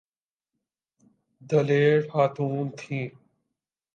دلیر خاتون تھیں۔